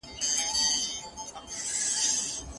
کار د وخت مدیریت غواړي.